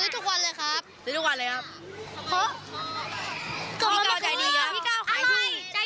ชอบซื้อของร้านพี่เก้าเลย